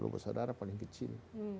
sepuluh besodara paling kecil